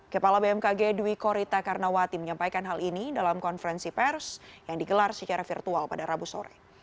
kepala bmkg dwi korita karnawati menyampaikan hal ini dalam konferensi pers yang digelar secara virtual pada rabu sore